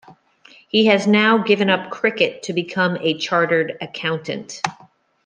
He has now given up cricket to become a chartered accountant.